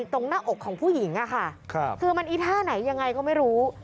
ตรงหน้าอกของผู้หญิงอะค่ะคือมันอีท่าไหนยังไงก็ไม่รู้